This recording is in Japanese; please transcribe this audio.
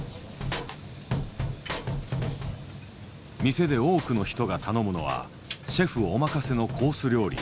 店で多くの人が頼むのはシェフお任せのコース料理。